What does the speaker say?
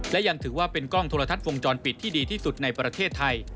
และยังถือว่าเป็นกล้องโทรทัศน์วงจรปิดที่ดีที่สุดในประเทศไทย